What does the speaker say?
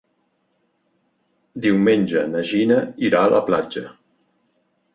Diumenge na Gina irà a la platja.